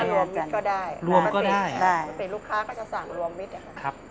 อย่างพวกคุณเลยคุณไปพูดเลยครับ